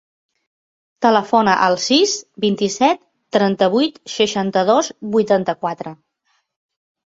Telefona al sis, vint-i-set, trenta-vuit, seixanta-dos, vuitanta-quatre.